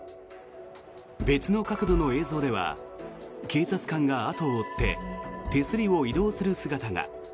別の角度の映像では警察官が後を追って手すりを移動する姿が。